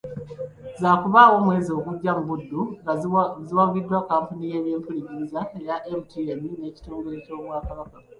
Zaakubaawo omwezi ogujja mu Buddu nga ziwagiddwa kkampuni y’ebyempuliziganya eya MTN n’ekitongole ky’Obwakabaka .